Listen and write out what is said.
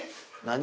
「何？」